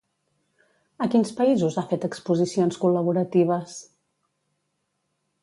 A quins països ha fet exposicions col·laboratives?